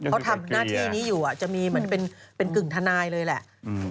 เขาทำหน้าที่นี้อยู่จะมีเหมือนเป็นกึ่งทนายเลยแหละ